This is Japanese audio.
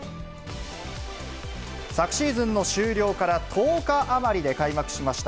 昨シーズンの終了から１０日余りで開幕しました